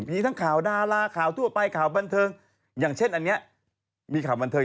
มีทั้งข่าวดาราข่าวทั่วไปข่าวบันเทิงอย่างเช่นอันนี้มีข่าวบันเทิง